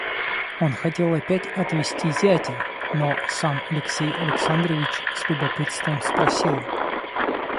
Он хотел опять отвести зятя, но сам Алексей Александрович с любопытством спросил.